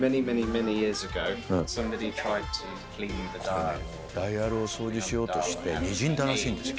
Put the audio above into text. これねダイヤルを掃除しようとしてにじんだらしいんですよ